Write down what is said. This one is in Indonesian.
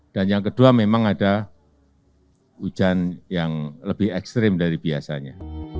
dan yang kedua memang ada hujan yang lebih ekstrim dari biasanya